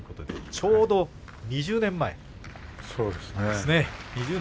ちょうど２０年前になりますね。